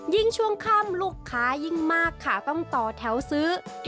ยิ่งช่วงค่ำลูกค้ายิ่งมากค่ะต้องต่อแถวซื้อ